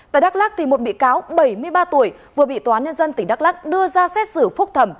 tại đắk lắc một bị cáo bảy mươi ba tuổi vừa bị tòa án nhân dân tỉnh đắk lắc đưa ra xét xử phúc thẩm